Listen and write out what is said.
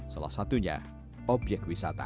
salah satunya objek wisata